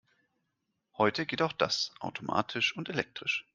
Heute geht auch das automatisch und elektrisch.